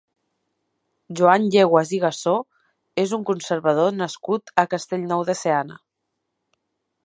Joan Yeguas i Gassó és un conservador nascut a Castellnou de Seana.